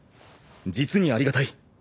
実にありがたい。